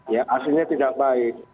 ya hasilnya tidak baik